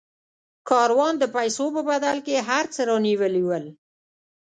کاروان د پیسو په بدل کې هر څه رانیولي ول.